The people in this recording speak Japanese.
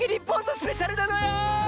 スペシャルなのよ！